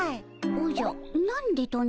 おじゃ「何で」とな？